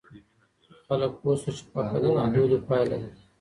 خلګ پوه سول چي فقر د نادودو پایله ده.